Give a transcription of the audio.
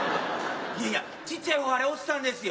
いやいやちっちゃい方あれおっさんですよ。